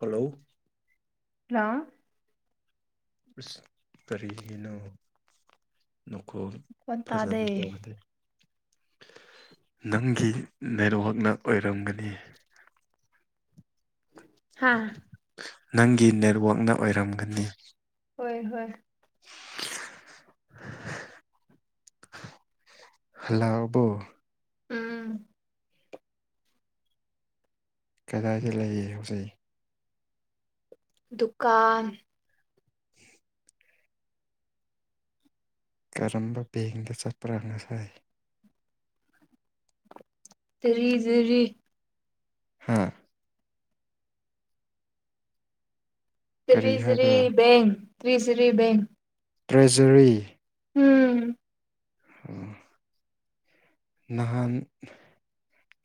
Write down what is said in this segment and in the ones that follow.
Hello hello ꯑꯁ ꯀꯔꯤꯒꯤꯅꯣ ꯅꯈꯣꯜ ꯐꯖꯅ ꯇꯥꯗꯦ ꯅꯪꯒꯤ ꯅꯦꯠꯋꯥꯛꯅ ꯑꯣꯏꯔꯝꯒꯅꯤ ꯍꯥꯥ ꯅꯪꯒꯤ ꯅꯦꯠꯋꯥꯛꯅ ꯑꯣꯏꯔꯝꯒꯅꯤ ꯍꯣꯏ ꯍꯣꯏ ꯍꯜꯂꯛꯑꯕꯣ ꯎꯝ ꯀꯗꯥꯏꯗ ꯂꯩ ꯍꯧꯖꯤꯛ ꯗꯨꯀꯥꯟ [inaudible] ꯀꯔꯝꯕ ꯕꯦꯡꯗ ꯆꯠꯄ꯭ꯔꯥ ꯉꯁꯥꯏ [unintelligible] ꯍꯥꯥ ꯀꯔꯤ ꯍꯥꯏꯕ꯭ꯔꯥ [unintelligible] ꯕꯦꯡ [unintelligible] ꯕꯦꯡ ꯇ꯭ꯔꯦꯖꯔꯤ ꯎꯝ ꯎꯝ ꯅꯍꯥꯟ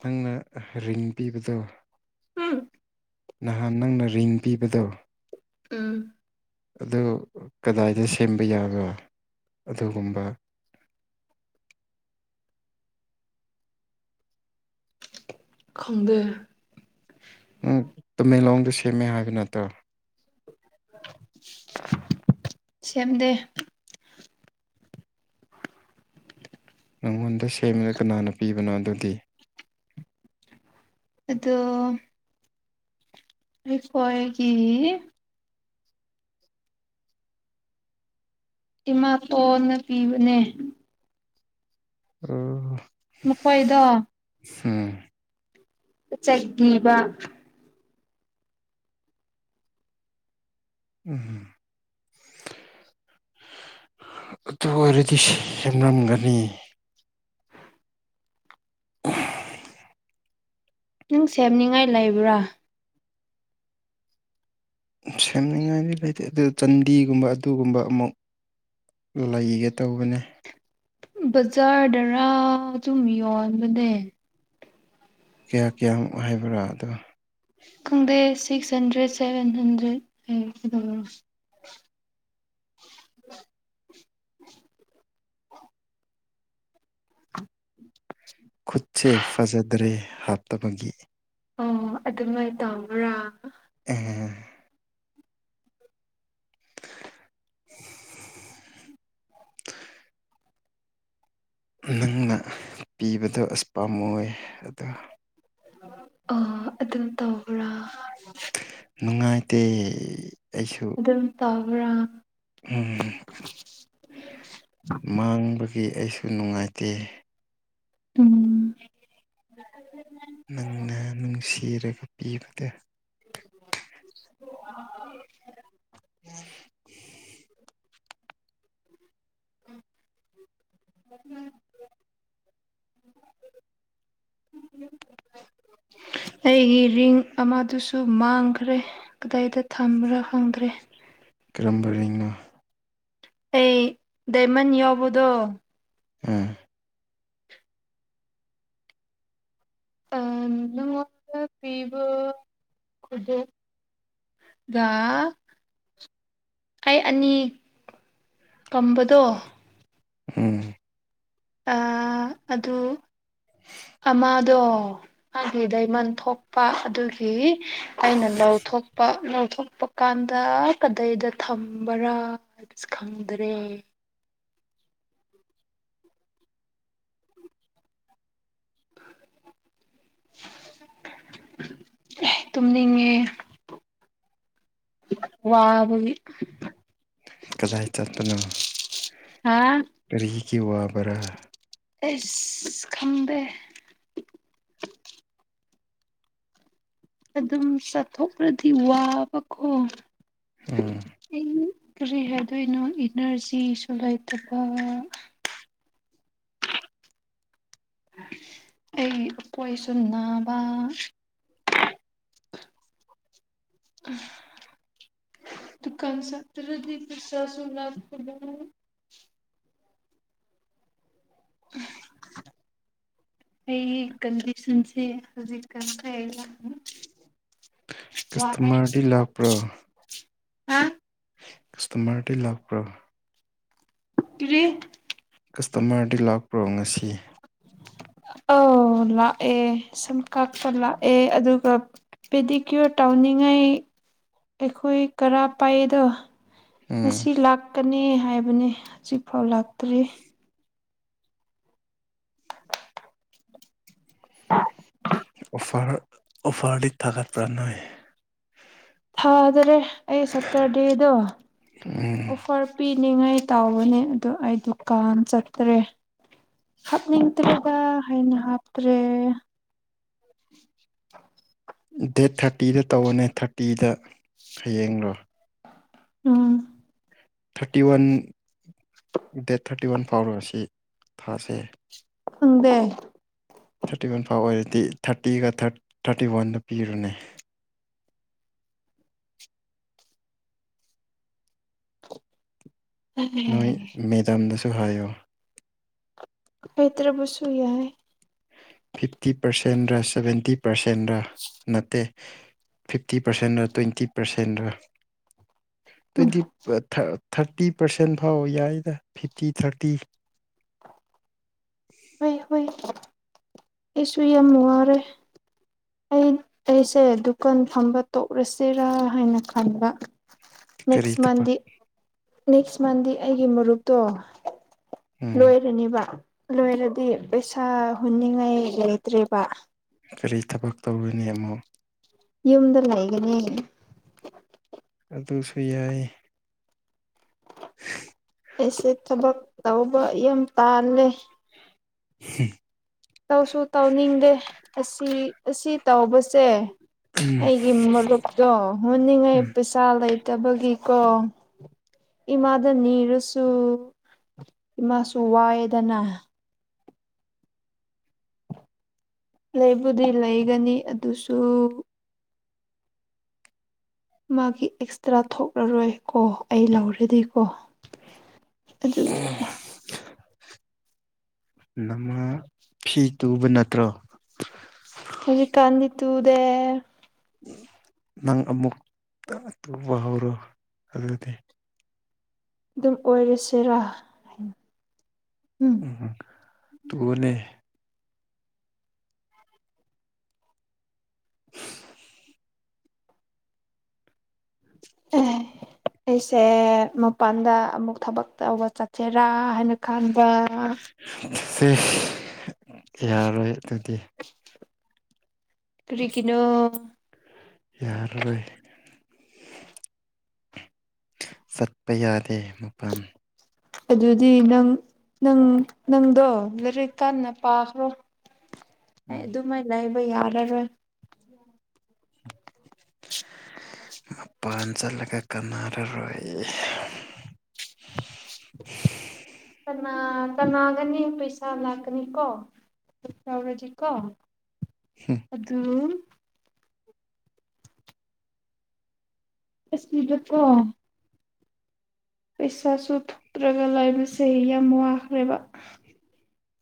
ꯅꯪꯅ ꯔꯤꯡ ꯄꯤꯕꯗꯣ ꯎꯝ ꯅꯍꯥꯟ ꯅꯪꯅ ꯔꯤꯡ ꯄꯤꯕꯗꯣ ꯎꯝ ꯑꯗꯨ ꯀꯗꯥꯏꯗ ꯁꯦꯝꯕ ꯌꯥꯕ꯭ꯔꯥ ꯑꯗꯨꯒꯨꯝꯕ ꯈꯪꯗꯦ꯫ ꯅꯪ ꯇꯃꯦꯡꯂꯣꯡꯗ ꯁꯦꯝꯃꯦ ꯍꯥꯏꯕ ꯅꯠꯇ꯭ꯔꯣ? ꯁꯦꯝꯗꯦ꯫ ꯅꯪꯉꯣꯟꯗ ꯁꯦꯝꯂ ꯀꯅꯥꯅ ꯄꯤꯕꯅꯣ ꯑꯗꯨꯗꯤ? ꯑꯗꯣ ꯑꯩꯈꯣꯏꯒꯤ ꯏꯃꯥꯇꯣꯟꯅ ꯄꯤꯕꯅꯦ꯫ ꯑꯥ꯫ ꯃꯈꯣꯏꯗꯣ ꯎꯝ꯫ ꯆꯠꯈꯤꯕ [unintelligible] ꯎꯝ꯫ ꯑꯗꯨ ꯑꯣꯏꯔꯗꯤ ꯁꯦꯝꯂꯝꯒꯅꯤ꯫ ꯅꯪ ꯁꯦꯝꯅꯤꯡꯉꯥꯏ ꯂꯩꯕ꯭ꯔꯥ? ꯁꯦꯝꯅꯤꯡꯉꯥꯏꯗꯤ ꯂꯩꯇꯦ ꯑꯗꯨ ꯆꯟꯗꯤꯒꯨꯝꯕ ꯑꯗꯨꯒꯨꯝꯕ ꯑꯃꯨꯛ ꯂꯩꯒꯦ ꯇꯧꯕꯅꯦ꯫ ꯕꯥꯖꯥꯔꯗꯔꯥ ꯑꯗꯨꯨꯝ ꯌꯣꯟꯕꯅꯦ꯫ ꯀꯌꯥ-ꯀꯌꯥꯃꯨꯛ ꯍꯥꯏꯕ꯭ꯔꯥ ꯑꯗꯣ? ꯈꯪꯗꯦ ꯁꯤꯛꯁ ꯍꯟꯗ꯭ꯔꯦꯠ ꯁꯚꯦꯟ ꯍꯟꯗ꯭ꯔꯦꯠ ꯂꯩ ꯑꯗꯨ꯫ ꯈꯨꯠꯁꯦ ꯐꯖꯗ꯭ꯔꯦ ꯍꯥꯞꯇꯕꯒꯤ꯫ ꯑꯣ ꯑꯗꯨꯃꯥꯏꯅ ꯇꯝꯕ꯭ꯔꯥ? ꯑꯦ꯫ ꯅꯪꯅ ꯄꯤꯕꯗꯣ ꯑꯁ ꯄꯥꯝꯃꯨꯏꯌꯦ ꯑꯗꯣ ꯑꯣ ꯑꯗꯨ ꯇꯧꯕ꯭ꯔꯥ꯫ ꯅꯨꯡꯉꯥꯏꯇꯦ꯫ ꯑꯩꯁꯨ ꯑꯗꯨꯝ ꯇꯕ꯭ꯔꯥ? ꯎꯝ ꯃꯥꯡꯕꯒꯤ ꯑꯩꯁꯨ ꯅꯨꯡꯉꯥꯏꯇꯦ꯫ ꯎꯝ꯫ ꯅꯪꯅ ꯅꯨꯡꯁꯤꯔꯒ ꯄꯤꯕꯗꯣ꯫ [inaudible] [inaudible] [inaudible] [inaudible] ꯑꯩꯒꯤ ꯔꯤꯡ ꯑꯃꯗꯨꯁꯨ ꯃꯥꯡꯈ꯭ꯔꯦ ꯀꯗꯥꯏꯗ ꯊꯝꯕ꯭ꯔꯥ ꯈꯪꯗ꯭ꯔꯦ? ꯀꯔꯝꯕ ꯔꯤꯡꯅꯣ? ꯑꯩ ꯗꯥꯏꯃꯟ ꯌꯥꯎꯕꯗꯣ꯫ ꯎꯝ꯫ ꯅꯉꯣꯟꯗ ꯄꯤꯕ ꯈꯨꯗꯦ ꯑꯩ ꯑꯅꯤ ꯀꯝꯕꯗꯣ ꯎꯝ꯫ ꯑ ꯑꯗꯨ ꯑꯃꯗꯣ ꯃꯥꯒꯤ ꯗꯥꯏꯃꯟ ꯊꯣꯛꯄ ꯑꯗꯨꯒꯤ ꯑꯩꯅ ꯂꯧ ꯊꯣꯛꯄ ꯄꯥꯛ ꯂꯧꯊꯣꯛꯄ ꯀꯥꯟꯗ ꯀꯗꯥꯏꯗ ꯊꯝꯕꯔꯥ ꯍꯥꯏꯕꯁꯨ ꯈꯪꯗ꯭ꯔꯦ? ꯇꯨꯝꯅꯤꯡꯉꯦ ꯋꯥꯕꯒꯤ ꯀꯗꯥꯏ ꯆꯠꯄꯅꯣ ꯍꯥꯥ ꯀꯔꯤꯒꯤ ꯋꯥꯕꯔꯥ ꯑꯁ ꯈꯪꯗꯦ ꯑꯗꯨꯝ ꯆꯠꯊꯣꯛꯂ꯭ꯗꯤ ꯋꯥꯕꯀꯣ ꯎꯝ ꯑꯩ ꯀꯔꯤ ꯍꯥꯏꯗꯣꯏꯅꯣ ꯏꯅꯔꯖꯤꯁꯨ ꯂꯩꯇꯕ ꯑꯩ ꯀꯣꯏꯁꯨ ꯅꯥꯕ ꯑꯝ ꯗꯨꯀꯥꯟ ꯆꯠꯇꯔꯗꯤ ꯄꯩꯁꯥꯁꯨ ꯂꯛꯇꯕ ꯑꯩꯒꯤ ꯀꯟꯗꯤꯁꯟꯁꯦ ꯍꯧꯖꯤꯛꯀꯟꯁꯦ ꯋꯥꯏ ꯀꯁꯇꯃꯔꯗꯤ ꯂꯥꯛꯄ꯭ꯔꯣ ꯀꯥꯁꯇꯃꯔꯗꯤ ꯂꯥꯛꯄ꯭ꯔ ꯀꯔꯤ ꯀꯁꯇꯃꯔꯗꯤ ꯂꯥꯛꯄ꯭ꯔꯣ ꯉꯁꯤ ꯑꯣ ꯂꯥꯛꯑꯣ ꯁꯝ ꯀꯛꯄꯥ ꯂꯥꯛꯑꯣ ꯑꯦ ꯑꯗꯨꯒ ꯄꯦꯗꯤꯀ꯭ꯌꯣꯔ ꯇꯧꯅꯤꯡꯉꯥꯏ ꯑꯩꯈꯣꯏ ꯀꯔꯥ ꯄꯥꯏꯗꯣ ꯎꯝ ꯉꯁꯤ ꯂꯥꯛꯀꯅꯤ ꯍꯥꯏꯕꯅꯦ ꯍꯧꯖꯤꯛꯐꯥꯎ ꯂꯥꯛꯇ꯭ꯔꯤ ꯑꯣꯐꯔ ꯑꯣꯐꯔꯗꯤ ꯊꯒꯥꯠꯄꯔꯥ ꯅꯣꯏ ꯊꯥꯗꯔꯦ ꯑꯩ ꯁꯇꯔꯗꯦꯗꯣ ꯎꯝ ꯑꯣꯐꯔ ꯄꯤꯅꯤꯡꯉꯥꯏ ꯇꯥꯎꯕꯅꯦ ꯑꯗꯣ ꯑꯩ ꯗꯨꯀꯥꯟ ꯆꯠꯇ꯭ꯔꯦ ꯍꯥꯞꯅꯤꯡꯗꯇꯔ꯭ꯦꯗ ꯍꯥꯏꯅ ꯍꯥꯞꯇ꯭ꯔꯦ ꯗꯦꯠ ꯊꯥꯔꯇꯤꯗ ꯇꯧꯕꯅꯦ ꯊꯥꯔꯇꯤꯗ ꯍꯌꯦꯡꯂꯣ ꯎꯝ thirty one date thirty one ꯐꯥꯎꯔꯁꯤ ꯊꯥꯁꯦ ꯈꯪꯗꯦ ꯊꯥꯔꯇꯤ ꯋꯥꯟ ꯐꯥꯎ ꯑꯣꯏꯔꯗꯤ ꯊꯥꯔꯇꯤꯒ ꯊꯥꯔꯇꯤ ꯋꯥꯟꯗ ꯄꯤꯔꯅꯤ ꯅꯣꯏ ꯃꯦꯗꯥꯗꯁꯨ ꯍꯥꯏꯌꯣ ꯍꯥꯏꯗꯔ꯭ꯕꯁꯨ ꯌꯥꯏ ꯐꯤꯐꯇꯤ ꯄꯥꯔꯁꯦꯟꯂꯥ ꯁꯚꯦꯟꯇꯤ ꯄꯥꯔꯁꯦꯟꯂꯥ ꯅꯠꯇꯦ ꯐꯤꯞꯇꯤ ꯄꯥꯔꯁꯦꯟꯂꯥ ꯇ꯭ꯋꯦꯟꯇꯤ ꯄꯥꯔꯁꯦꯟꯂꯥ ꯇ꯭ꯋꯦꯟꯇꯤ ꯊꯥꯔꯇꯤ ꯄꯥꯔꯁꯦꯟ ꯐꯥꯎ ꯌꯥꯏꯗ ꯐꯤꯐꯇꯤ ꯊꯥꯔꯇꯤ ꯍꯣꯏ ꯍꯣꯏ ꯑꯩꯁꯨ ꯌꯥꯝ ꯋꯔꯦ ꯑꯩ ꯑꯩꯁꯦ ꯗꯨꯀꯥꯟ ꯐꯝꯕ ꯇꯣꯛꯂꯁꯤꯔꯥ ꯍꯥꯏꯅ ꯈꯟꯕ ꯀꯔꯤ ꯅꯦꯛꯁ ꯊꯕꯛ ꯃꯟꯗꯤ ꯅꯦꯛꯁ ꯃꯟꯗꯦ ꯑꯩꯒꯤ ꯃꯔꯨꯞꯇꯣ ꯎꯝ ꯂꯣꯏꯔꯅꯦꯕ ꯂꯣꯏꯔꯗꯤ ꯄꯩꯁꯥ ꯍꯨꯟꯅꯤꯡꯉꯥꯏ ꯂꯩꯇ꯭ꯔꯦꯕ ꯀꯔꯤ ꯊꯕꯛ ꯇꯧꯔꯅꯤ ꯑꯃꯨꯛ ꯌꯨꯝꯗ ꯂꯩꯒꯅꯤ ꯑꯗꯨꯁꯨ ꯌꯥꯏ [inaudible] ꯑꯩꯁꯦ ꯊꯕꯛ ꯇꯧꯕ ꯌꯥꯝ ꯇꯥꯜꯂꯦ ꯎꯝ ꯇꯧꯁꯨ ꯇꯧꯅꯤꯡꯗꯦ ꯑꯁꯤ ꯑꯁꯤ ꯇꯧꯕꯁꯦ ꯎꯝ ꯑꯩꯒꯤ ꯃꯔꯨꯞꯇꯣ ꯍꯨꯟꯅꯤꯡꯉꯥꯏ ꯎꯝ ꯄꯩꯁꯥ ꯂꯩꯇꯕꯒꯤꯀꯣ ꯏꯃꯥꯗ ꯅꯤꯔꯁꯨ ꯏꯃꯥꯁꯨ ꯋꯥꯏꯌꯦꯗꯅ ꯂꯩꯕꯨꯗꯤ ꯂꯩꯒꯅꯤ ꯑꯗꯨꯁꯨ ꯃꯥꯒꯤ ꯑꯦꯛꯁꯇ꯭ꯔꯥ ꯊꯣꯛꯂꯔꯣꯏ ꯀꯣ ꯑꯩ ꯂꯧꯔꯗꯤꯀꯣ ꯑꯗꯨꯒꯤ ꯅꯃꯥ ꯐꯤ ꯇꯨꯕ ꯅꯠꯇ꯭ꯔꯣ ꯍꯧꯖꯤꯛꯀꯥꯟꯗꯤ ꯇꯨꯗꯦ ꯅꯪ ꯑꯃꯨꯛꯇ ꯇꯨꯕ ꯍꯧꯔꯣ ꯑꯗꯨꯗꯤ ꯑꯗꯨꯝ ꯑꯣꯏꯔꯁꯤꯔꯥ ꯎꯝ ꯎꯝ ꯇꯨꯋꯣꯅꯦ [inaudible] ꯑꯦ ꯑꯩꯁꯦ ꯃꯄꯥꯟꯗ ꯑꯃꯨꯛ ꯊꯕꯛ ꯇꯧꯕ ꯆꯠꯁꯦꯔꯥ ꯍꯥꯏꯅ ꯈꯥꯟꯕ ꯁꯤꯁ ꯌꯥꯔꯣꯏ ꯑꯗꯨꯗꯤ ꯀꯔꯤꯒꯤꯅꯣ ꯌꯥꯔꯔꯣꯏ ꯆꯠꯄ ꯌꯥꯗꯦ ꯃꯄꯥꯟ ꯑꯗꯨꯗꯤ ꯅꯪ ꯅꯪ ꯅꯪꯗꯣ ꯂꯥꯏꯔꯤꯛ ꯀꯟꯅ ꯄꯥꯈ꯭ꯔꯣ ꯑꯩ ꯎꯝ ꯑꯗꯨꯃꯥꯏ ꯂꯩꯕ ꯌꯥꯔꯔꯣꯏ [unintelligible] ꯃꯄꯥꯟ ꯆꯠꯂꯒ ꯀꯥꯟꯅꯔꯔꯣꯏ [inaudible] ꯀꯅꯥ ꯀꯅꯥꯒꯅꯤ ꯄꯩꯁꯥ ꯂꯥꯛꯀꯅꯤ ꯀꯣ ꯇꯧꯔꯗꯤꯀꯣ ꯑꯗꯨ ꯑꯁꯤꯗꯀꯣ ꯄꯩꯁꯥꯁꯨ ꯊꯣꯛꯇ꯭ꯔꯒ ꯂꯩꯕꯁꯦ ꯌꯥꯝ ꯋꯥꯈ꯭ꯔꯦꯕ [inaudible]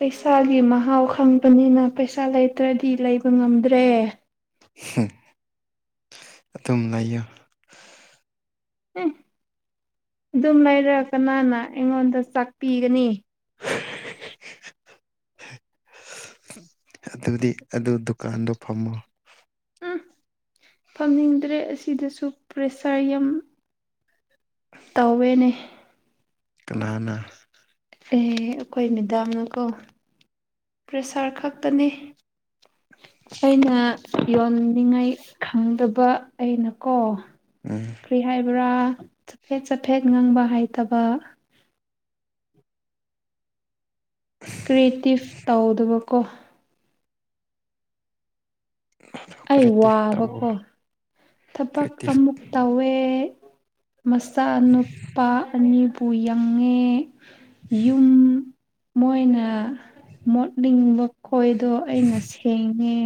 ꯄꯩꯁꯥꯒꯤ ꯃꯍꯥꯎ ꯈꯪꯕꯅꯤꯅ ꯄꯩꯁꯥ ꯂꯩꯇ꯭ꯔꯗꯤ ꯂꯩꯕ ꯉꯝꯗ꯭ꯔꯦ ꯍꯨꯝ ꯑꯗꯨꯝ ꯂꯩꯌꯨ ꯎꯝ ꯑꯗꯨꯝ ꯂꯩꯔꯒ ꯀꯅꯥꯅ ꯑꯩꯉꯣꯟꯗ ꯆꯥꯛ ꯄꯤꯒꯅꯤ [unintelligible] ꯑꯗꯨꯗꯤ ꯑꯗꯨ ꯗꯨꯀꯥꯟꯗꯣ ꯐꯝꯃꯣ ꯎꯝ ꯐꯝꯅꯤꯡꯗ꯭ꯔꯦ ꯑꯁꯤꯗꯁꯨ ꯄ꯭ꯔꯦꯁꯔ ꯌꯥꯝ ꯇꯧꯋꯦꯅꯦ ꯀꯅꯥꯅ ꯑꯦ ꯑꯈꯣꯏ ꯃꯦꯗꯥꯝꯅꯀꯣ ꯄ꯭ꯔꯦꯁꯔ ꯈꯛꯇꯅꯦ ꯑꯩꯅ ꯌꯣꯟꯅꯤꯡꯉꯥꯏ ꯈꯪꯗꯕ ꯑꯩꯅꯀꯣ ꯎꯝ ꯀ꯭ꯔꯤ ꯍꯥꯏꯕ꯭ꯔꯥ ꯆꯐꯦꯠ ꯆꯐꯦꯠ ꯉꯥꯡꯕ ꯍꯩꯇꯕ [unintelligible] ꯀ꯭ꯔꯤꯌꯦꯇꯤꯞ ꯇꯧꯗꯕꯀꯣ ꯑꯗꯨ ꯑꯩ ꯀ꯭ꯔꯦꯇꯤꯞ ꯇꯧꯑꯣ ꯋꯥꯕꯀꯣ ꯊꯕꯛ ꯀ꯭ꯔꯦꯇꯤꯞ ꯑꯃꯨꯛ ꯇꯧꯋꯦ ꯃꯆꯥꯅꯨꯄꯥ ꯑꯅꯤ ꯎ ꯌꯪꯉꯦ ꯌꯨꯝ ꯃꯣꯏꯅ ꯃꯣꯠꯅꯤꯡꯕ ꯈꯣꯏꯗꯣ ꯑꯩꯅ ꯁꯦꯡꯉꯦ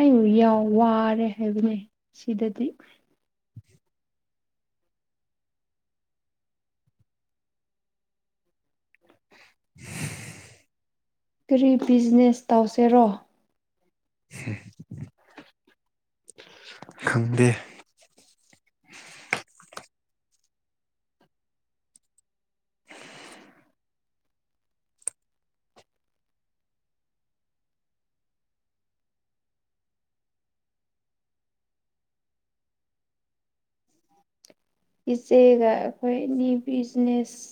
ꯑꯩꯕꯨ ꯌꯥꯎ ꯋꯥꯔꯦ ꯍꯥꯏꯕꯅꯦ ꯁꯤꯗꯗꯤ [inaudible] ꯀꯔꯤ ꯕꯤꯖꯤꯅꯦꯁ ꯇꯧꯁꯦꯔꯣ ꯈꯪꯗꯦ ꯏꯆꯦꯒ ꯑꯩꯈꯣꯏ ꯑꯅꯤ ꯕꯤꯖꯤꯅꯦꯁ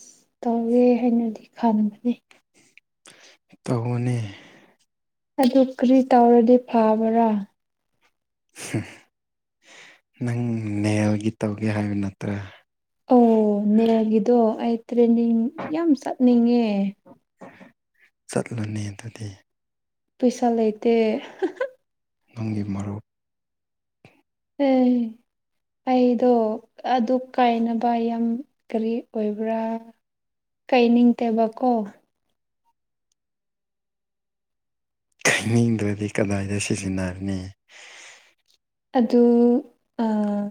ꯇꯧꯒꯦ ꯍꯥꯏꯅꯗꯤ ꯈꯥꯟꯕꯅꯤ ꯇꯧꯑꯣꯅꯦ ꯑꯗꯨ ꯀꯔꯤ ꯇꯧꯔꯗꯤ ꯐꯕ꯭ꯔꯥ ꯅꯪ ꯅꯦꯜꯒꯤ ꯇꯧꯒꯦ ꯍꯥꯏꯕ ꯅꯠꯇ꯭ꯔꯥ ꯑꯣ ꯅꯦꯜꯒꯤꯗꯣ ꯑꯩ ꯇ꯭ꯔꯦꯟꯅꯤꯡ ꯌꯥꯝ ꯆꯠꯅꯤꯡꯉꯦ꯫ ꯆꯠꯂꯨꯅꯦ ꯑꯗꯨꯗꯤ ꯄꯩꯁꯥ ꯂꯩꯇꯦ ꯅꯪꯒꯤ ꯃꯔꯨꯞ ꯑꯦ ꯑꯩꯗꯣ ꯑꯗꯨ ꯀꯥꯏꯅꯕ ꯌꯥꯝ ꯀꯔꯤ ꯑꯣꯏꯕ꯭ꯔꯥ ꯀꯥꯢꯅꯤꯡꯇꯦꯕꯀꯣ ꯀꯥꯏꯅꯤꯡꯗ꯭ꯔꯗꯤ ꯀꯗꯥꯏꯗꯩ ꯁꯤꯖꯤꯟꯅꯅꯤ ꯑꯗꯨ ꯑꯥ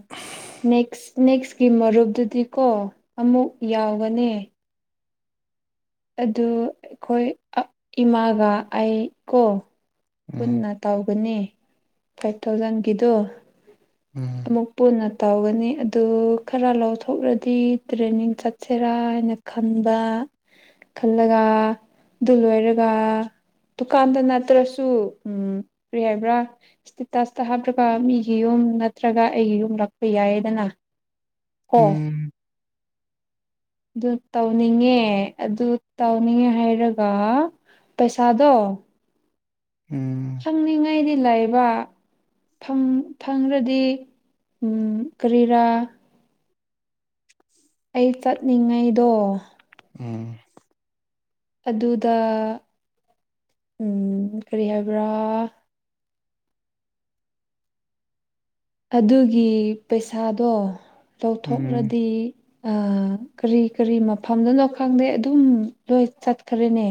ꯅꯦꯛꯁ ꯅꯦꯛꯁꯀꯤ ꯃꯔꯨꯞꯗꯨꯗꯤꯀꯣ ꯑꯃꯨꯛ ꯌꯥꯎꯒꯅꯤ꯫ ꯑꯗꯨ ꯑꯩꯈꯣꯏ ꯏꯃꯥꯒ ꯑꯩ ꯀꯣ ꯎꯝ ꯄꯨꯟꯅ ꯇꯧꯒꯅꯤ ꯐꯥꯏꯚ ꯊꯥꯎꯖꯟꯒꯤꯗꯣ ꯎꯝ ꯑꯃꯨꯛ ꯄꯨꯟꯅ ꯇꯧꯒꯅꯤ ꯑꯗꯨ ꯈꯔꯥ ꯂꯧꯊꯣꯛꯂꯗꯤ ꯇ꯭ꯔꯦꯅꯤꯡ ꯆꯠꯁꯦꯔꯥ ꯍꯥꯏꯅ ꯈꯟꯕ ꯈꯜꯂꯒ ꯑꯗꯨ ꯂꯣꯏꯔꯒ ꯗꯨꯀꯥꯟꯗ ꯅꯠꯇ꯭ꯔꯁꯨ ꯁꯨ ꯎꯝ ꯀꯔꯤ ꯍꯥꯏꯕ꯭ꯔꯥ [unintelligible] ꯍꯥꯞꯔꯒ ꯃꯤꯒꯤ ꯌꯨꯝ ꯅꯠꯇ꯭ꯔꯒ ꯑꯩꯒꯤ ꯌꯨꯝ ꯂꯥꯛꯄ ꯌꯥꯏꯌꯦꯗꯅ ꯀꯣ ꯎꯝ ꯑꯗꯨ ꯇꯧꯅꯤꯡꯉꯦ ꯑꯗꯨ ꯇꯧꯅꯤꯡꯉꯦ ꯍꯥꯏꯔꯒ ꯄꯩꯁꯥꯗꯣ ꯎꯝ ꯆꯪꯅꯤꯡꯉꯥꯏꯗꯤ ꯂꯩꯕ ꯐꯥꯡ ꯐꯥꯡꯂꯗꯤ ꯎꯝ ꯀꯔꯤꯔꯥ ꯑꯩ ꯆꯠꯂꯤꯉꯩꯗꯣ ꯎꯝ ꯑꯗꯨꯗ ꯀꯔꯤ ꯍꯥꯏꯕ꯭ꯔꯥ ꯑꯗꯨꯒꯤ ꯄꯩꯁꯥꯗꯣ ꯎꯝ ꯂꯧꯊꯣꯛꯔꯗꯤ ꯑꯥ ꯀꯔꯤ ꯀꯔꯤ ꯃꯐꯝꯗꯅꯣ ꯈꯪꯗꯦ ꯑꯗꯨꯝ ꯂꯣꯏ ꯆꯠꯈ꯭ꯔꯦꯅꯦ